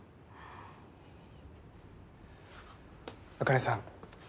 茜さん